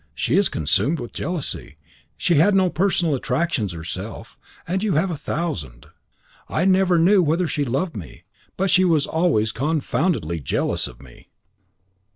She is consumed with jealousy. She had no personal attractions herself, and you have a thousand. I never knew whether she loved me, but she was always confoundedly jealous of me."